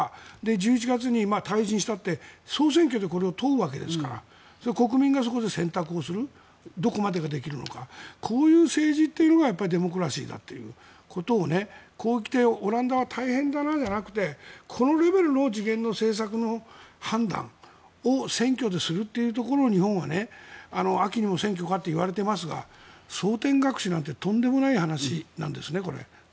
１１月に退陣したって総選挙で問うわけですから国民が選択をするどこまでができるのかこういう政治っていうのがデモクラシーだっていうことをオランダは大変だなじゃなくてこのレベルの次元の政策の判断を選挙でするというところを日本は秋にも選挙かといわれていますが争点隠しなんてとんでもない話なんですね。